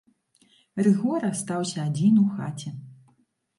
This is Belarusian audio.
Рыгор астаўся адзін у хаце.